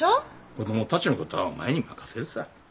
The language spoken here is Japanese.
子供たちのことはお前に任せるさ。